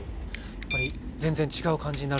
やっぱり全然違う感じになるんですか？